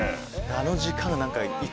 あの時間が。